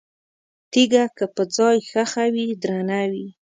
تیګه که په ځای ښخه وي، درنه وي؛